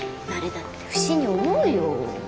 誰だって不審に思うよ。